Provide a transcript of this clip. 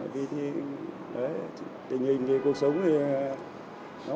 vì thì đấy tình hình thì cuộc sống thì